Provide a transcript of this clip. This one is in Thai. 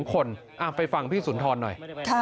คนไปฟังพี่สุนทรหน่อย